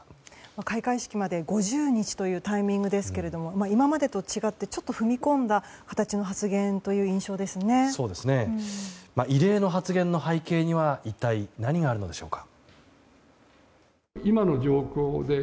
開会式まで５０日というタイミングですが今までと違ってちょっと踏み込んだ形の異例の発言の背景には一体何があるのでしょうか。